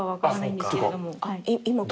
今。